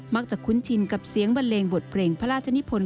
คุ้นชินกับเสียงบันเลงบทเพลงพระราชนิพล